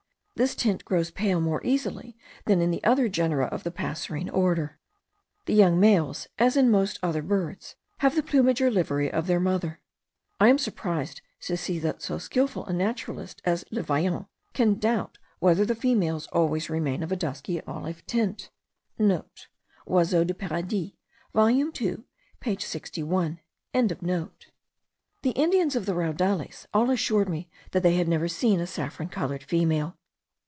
This tint grows pale more easy than in the other genera of the passerine order. The young males, as in most other birds, have the plumage or livery of their mother. I am surprised to see that so skilful a naturalist as Le Vaillant can doubt whether the females always remain of a dusky olive tint.* (* Oiseaux de Paradis volume 2 page 61.) The Indians of the Raudales all assured me that they had never seen a saffron coloured female.